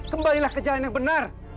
kembalilah ke jalan yang benar